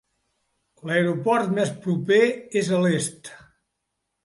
L'aeroport més proper és a l'est.